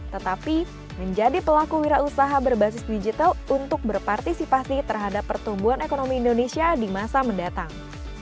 tetapi menjadi pelaku wira usaha berbasis digital untuk berpartisipasi terhadap pertumbuhan ekonomi indonesia di masa mendatang